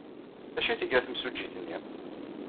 D acu ay tga temsujjit-nni?